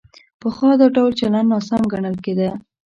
پخوا دا ډول چلند ناسم ګڼل کېده.